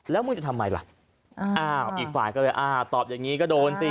แล้วมึงจะทำไมล่ะอ้าวอีกฝ่ายก็เลยอ่าตอบอย่างนี้ก็โดนสิ